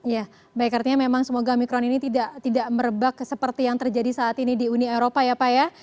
ya baik artinya memang semoga omikron ini tidak merebak seperti yang terjadi saat ini di uni eropa ya pak ya